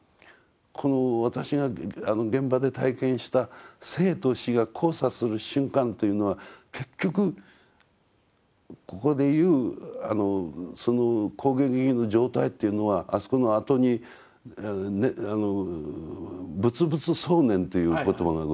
この私が現場で体験した生と死が交差する瞬間というのは結局ここで言う光顔巍々の状態というのはあそこの後に「仏仏相念」という言葉がございます。